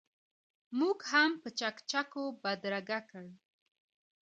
موږ هم په چکچکو بدرګه کړ.